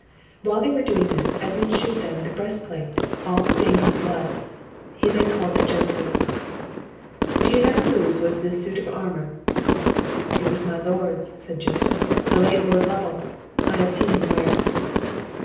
While they were doing this, Edmund shewed them the breastplate all stained with blood. He then called to Joseph: "Do you know whose was this suit of armour?" "It was my Lord's," said Joseph; "the late Lord Lovel; I have seen him wear it."